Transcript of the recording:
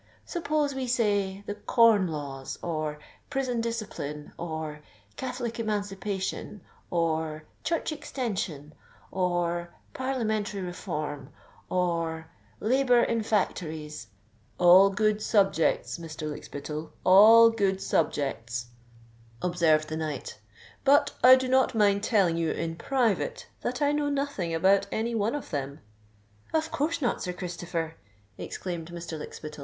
"Suppose we say the Corn Laws—or Prison Discipline—or Catholic Emancipation—or Church Extension—or Parliamentary Reform—or Labour in Factories——" "All good subjects, Mr. Lykspittal—all good subjects," observed the knight. "But I do not mind telling you in private, that I know nothing about any one of them." "Of course not, Sir Christopher," exclaimed Mr. Lykspittal.